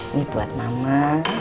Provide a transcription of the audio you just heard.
ini buat mama